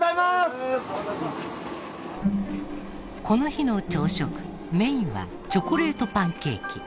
この日の朝食メインはチョコレートパンケーキ。